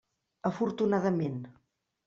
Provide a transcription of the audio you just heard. Afortunadament.